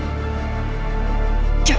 aku mau ke sekolah